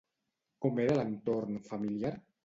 Com era l'entorn familiar?